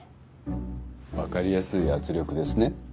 分かりやすい圧力ですね。